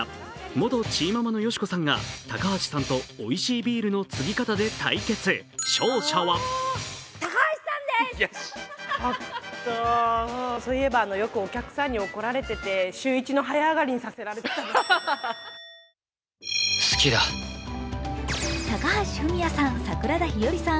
元チーママのよしこさんが高橋さんとおいしいビールの注ぎ方で対決、勝者は高橋文哉さん、桜田ひよりさん